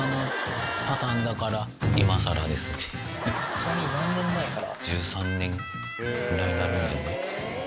ちなみに何年前から？